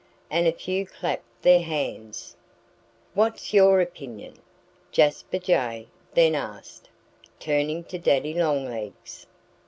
And a few clapped their hands. "What's your opinion?" Jasper Jay then asked, turning to Daddy Longlegs.